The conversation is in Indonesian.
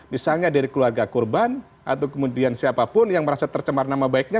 misalnya dari keluarga korban atau kemudian siapapun yang merasa tercemar nama baiknya